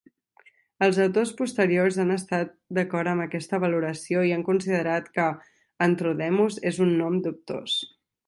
Els autors posteriors han estat d'acord amb aquesta valoració i han considerat que "Antrodemus" és un nom dubtós.